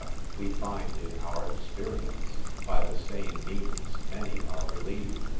we find in our experience, by the same means many are relieved.